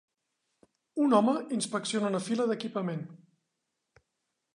Un home inspecciona una fila d'equipament.